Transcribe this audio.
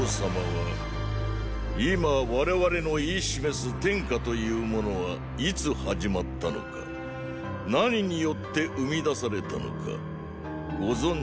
はーー今我々の言い示す“天下”というものはいつ始まったのかーー何によって生み出されたのかご存じであられるかな？